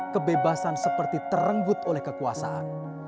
kebebasan seperti terenggut oleh kekuasaan